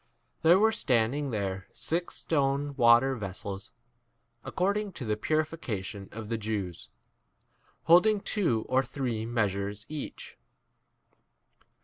6 There were standing there six stone water vessels, according to the purification of the Jews, hold ing two or three measures each.